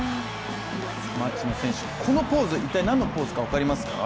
町野選手、このポーズ一体何のポーズか分かりますか？